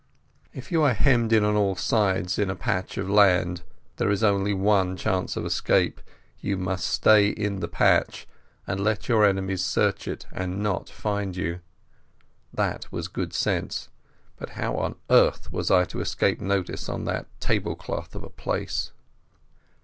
If you are hemmed in on all sides in a patch of land there is only one chance of escape. You must stay in the patch, and let your enemies search it and not find you. That was good sense, but how on earth was I to escape notice in that table cloth of a place?